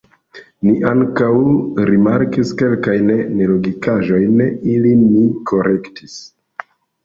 Ni ankaŭ rimarkis kelkajn nelogikaĵojn ilin ni korektis.